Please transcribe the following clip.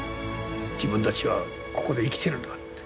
「自分たちはここで生きているんだ」って。